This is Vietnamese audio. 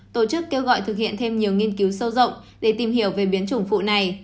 tổ chức kêu gọi thực hiện thêm nhiều nghiên cứu sâu rộng để tìm hiểu về biến chủng phụ này